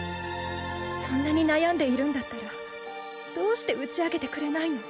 そんなに悩んでいるんだったらどうして打ち明けてくれないの？